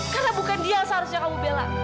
karena bukan dia yang seharusnya kamu bela